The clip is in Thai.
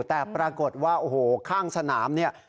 แต่ปรากฏว่าข้างสนามเนี่ย